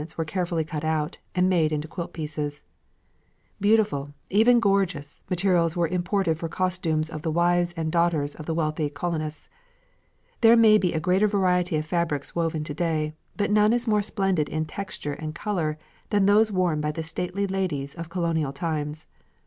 Colours: light blue and pink] Beautiful, even gorgeous, materials were imported for costumes of the wives and daughters of the wealthy colonists. There may be a greater variety of fabrics woven to day, but none is more splendid in texture and colour than those worn by the stately ladies of colonial times.